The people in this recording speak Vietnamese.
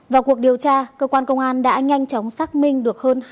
vào cuộc điều tra cơ quan công an đã nhanh chóng xác minh